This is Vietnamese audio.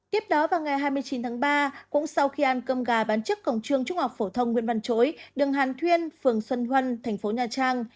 tiếp đó vào ngày hai mươi chín tháng ba cũng sau khi ăn cơm gà bán trước cổng trường trung học phổ thông nguyễn văn chối đường hàn thuyên phường xuân huân thành phố nha trang